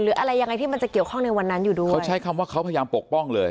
อะไรยังไงที่มันจะเกี่ยวข้องในวันนั้นอยู่ด้วยเขาใช้คำว่าเขาพยายามปกป้องเลย